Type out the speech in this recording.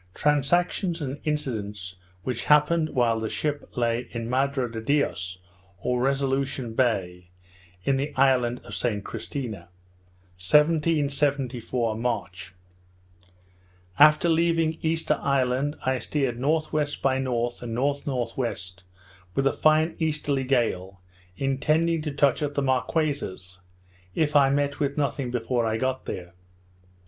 Transactions and Incidents which happened while the Ship lay in Madre de Dios, or Resolution Bay, in the Island of St Christina._ 1774 March After leaving Easter Island, I steered N.W. by N. and N.N.W., with a fine easterly gale, intending to touch at the Marquesas, if I met with nothing before I got there.